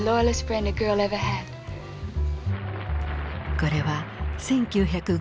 これは１９５３年